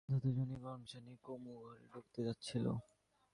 দাদার জন্যে গরম চা নিয়ে কুমু ঘরে ঢুকতে যাচ্ছিল।